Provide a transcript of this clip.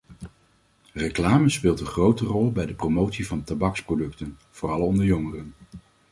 Reclame speelt een grote rol bij de promotie van tabaksproducten, vooral onder jongeren.